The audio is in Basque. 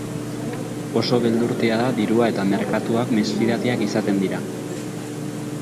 Oso beldurtia da dirua eta merkatuak mesfidatiak izaten dira.